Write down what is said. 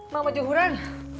mak mau juhuran